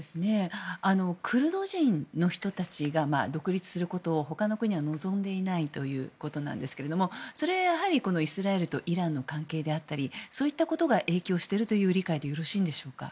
クルド人の人たちが独立することを他の国は望んでいないということですがそれはイスラエルとイランの関係であったりそういったことが影響しているという理解でよろしいんでしょうか。